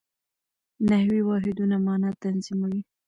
نحوي واحدونه مانا تنظیموي.